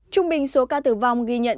trung bình số ca tử vong ghi nhận